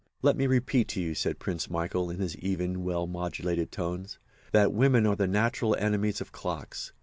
"Let me repeat to you," said Prince Michael, in his even, well modulated tones, "that women are the natural enemies of clocks.